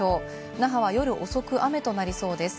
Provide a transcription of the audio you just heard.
那覇は夜遅くに雨となりそうです。